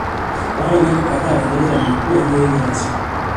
Baada ya miaka kadhaa Waingereza walinyakua eneo hili rasmi